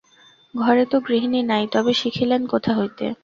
ঘরে তো গৃহিনী নাই, তবে শিখিলেন কোথা হইতে।